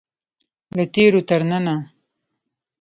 له تیرو تر ننه.